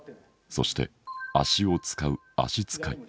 そして足を遣う足遣い。